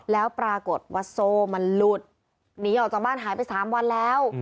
แล้วปรากฏว่าโซ่มันหลุดหนีออกจากบ้านหายไป๓วันแล้ว